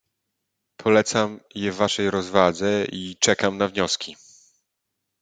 "Polecam je waszej rozwadze i czekam na wnioski."